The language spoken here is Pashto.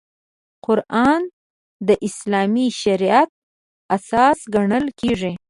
قران د اسلامي شریعت اساس ګڼل کېږي.